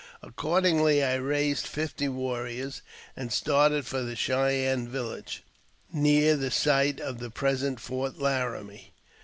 Accordingly, I raised fifty warriors, and started for the Cheyenne village, near the site of the present Fort Laramie.